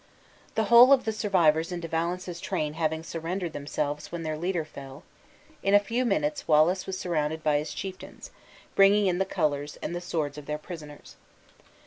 The whole of the survivors in De Valence's train having surrendered themselves when their leader fell, in a few minutes Wallace was surrounded by his chieftains, bringing in the colors, and the swords of their prisoners.